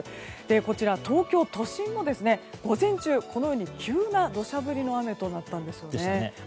こちら、東京都心も午前中このように急な土砂降りの雨となったんですよね。